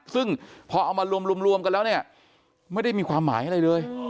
ซึ่งพอเอามารวมกันแล้วเนี่ยไม่ได้มีความหมายอะไรเลย